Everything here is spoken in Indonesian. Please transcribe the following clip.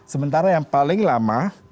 sementara yang paling lama